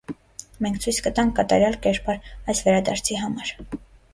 Մենք ցույց կտանք կատարյալ կերպար այս վերադարձի համար։